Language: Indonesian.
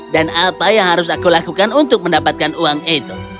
dan apa yang harus aku lakukan untuk mendapatkan uang itu